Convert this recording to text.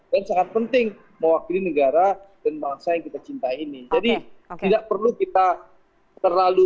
dan sangat penting mewakili negara dan bangsa yang kita cintai jadi tidak perlu kita terlalu